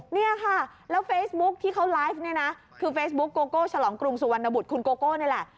เนี่ยค่ะแล้วเฟซบุ๊คที่เขาไลฟ์เนี่ยนะคือเฟซบุ๊กโกโก้ฉลองกรุงสุวรรณบุตรคุณโกโก้นี่แหละ